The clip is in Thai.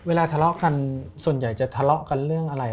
ทะเลาะกันส่วนใหญ่จะทะเลาะกันเรื่องอะไร